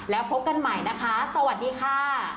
แล้วพบกันใหม่นะคะสวัสดีค่ะ